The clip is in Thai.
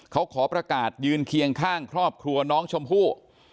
เขาขอประกาศยืนเคียงข้างครอบครัวน้องชมพู่